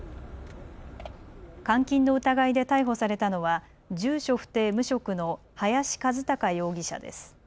監禁の疑いで逮捕されたのは住所不定、無職の林一貴容疑者です。